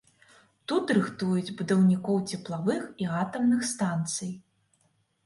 Тут рыхтуюць будаўнікоў цеплавых і атамных станцый.